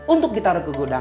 untuk ditaruh ke gudang